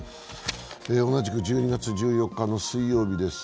同じく１２月１４日の水曜日です。